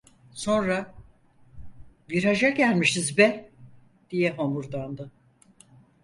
Sonra: "Viraja gelmişiz be!" diye homurdandı.